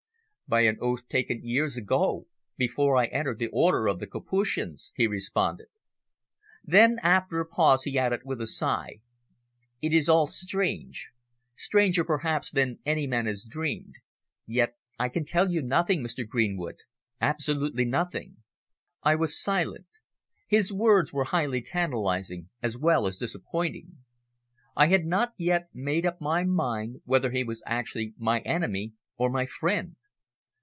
"By an oath taken years ago before I entered the Order of the Capuchins," he responded. Then after a pause, he added, with a sigh, "It is all strange stranger perhaps than any man has dreamed yet I can tell you nothing, Mr. Greenwood, absolutely nothing." I was silent. His words were highly tantalising, as well as disappointing. I had not yet made up my mind whether he was actually my enemy or my friend.